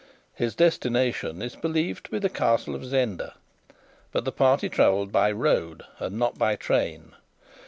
His destination is believed to be the Castle of Zenda, but the party travelled by road and not by train.